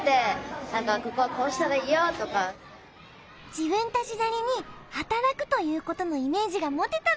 自分たちなりに働くということのイメージが持てたみたい！